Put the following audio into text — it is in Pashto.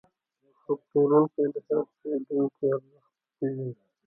ښه پلورونکی د هر پیرودونکي ارزښت پېژني.